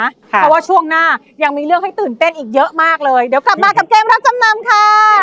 เพราะว่าช่วงหน้ายังมีเรื่องให้ตื่นเต้นอีกเยอะมากเลยเดี๋ยวกลับมากับเกมรับจำนำค่ะ